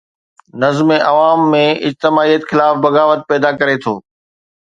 نظم عوام ۾ اجتماعيت خلاف بغاوت پيدا ڪري ٿو.